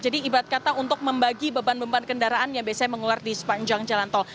jadi ibad kata untuk membagi beban beban kendaraan yang biasanya mengular di sepanjang jalan tol